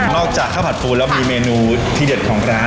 อกจากข้าวผัดปูนแล้วมีเมนูที่เด็ดของร้าน